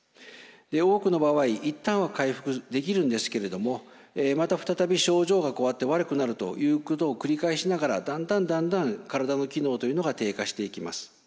多くの場合一旦は回復できるんですけれどもまた再び症状がこうやって悪くなるということを繰り返しながらだんだんだんだん体の機能というのが低下していきます。